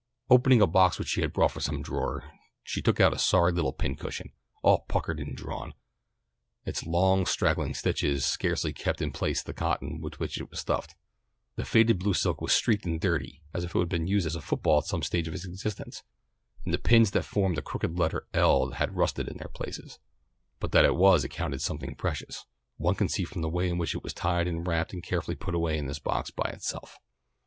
Opening a box which she brought from some drawer, she took out a sorry little pin cushion. All puckered and drawn, its long straggling stitches scarcely kept in place the cotton with which it was stuffed. The faded blue silk was streaked and dirty as if it had been used for a foot ball at some stage of its existence, and the pins that formed the crooked letter L had rusted in their places. But that it was accounted something precious, one could see from the way in which it was tied and wrapped and carefully put away in this box by itself.